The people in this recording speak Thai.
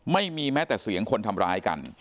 ไม่มีแม้แต่เสียงคนทำร้ายกัน